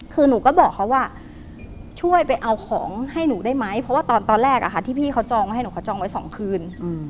คือหนูก็บอกเขาว่าช่วยไปเอาของให้หนูได้ไหมเพราะว่าตอนแรกที่พี่เขาจองไว้ให้หนูเขาจองไว้๒คืน